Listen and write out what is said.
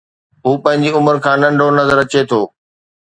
هو پنهنجي عمر کان ننڍو نظر اچي ٿو